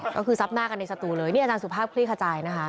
ก็คือซับหน้ากันในสตูเลยนี่อาจารย์สุภาพคลี่ขจายนะคะ